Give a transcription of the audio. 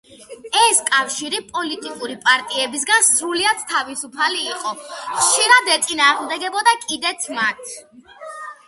ეს კავშირი პოლიტიკური პარტიებისგან სრულიად თავისუფალი იყო, ხშირად ეწინააღმდეგებოდა კიდეც მათ.